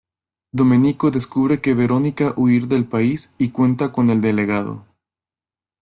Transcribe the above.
Domenico descubre que Verónica huir del país y cuenta con el delegado.